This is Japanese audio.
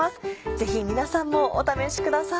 ぜひ皆さんもお試しください。